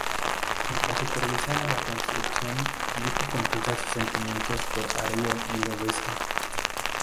Mientras supervisa la construcción, Yuko confiesa sus sentimientos por Haruo y lo besa.